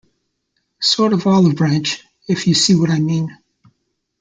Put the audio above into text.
Sort of olive branch, if you see what I mean.